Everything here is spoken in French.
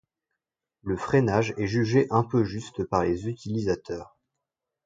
Le freinage est jugé un peu juste par les utilisateurs.